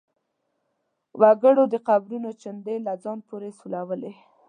وګړو د قبرونو چنډې له ځان پورې سولولې.